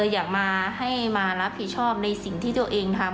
อยากมาให้มารับผิดชอบในสิ่งที่ตัวเองทำ